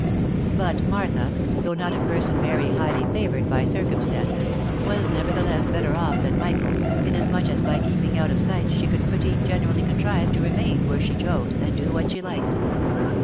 But Martha, though not a person very highly favoured by circumstances, was nevertheless better off than Michael, inasmuch as by keeping out of sight she could pretty generally contrive to remain where she chose, and do what she liked.